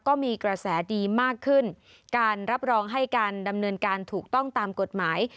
ก็มีกระแสดีมากขึ้นการรับรองให้การดำเนินการถูกต้องตามกฎหมาย